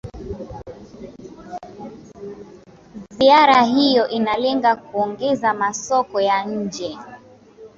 ziara hiyo inalenga kuongeza masoko ya nje